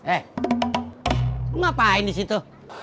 eh ngapain disitu